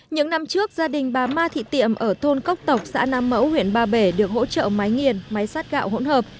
những năm trước gia đình bà ma thị tiệm ở thôn cốc tộc xã nam mẫu huyện ba bể được hỗ trợ máy nghiền máy sát gạo hỗn hợp